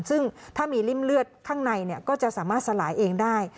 ซึ่งถ้ามีริ่มเลือดข้างในก็จะสามารถสลายเองได้